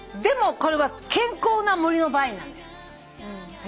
でもこれは健康な森の場合なんです。